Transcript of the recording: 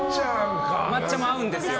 抹茶も合うんですよ。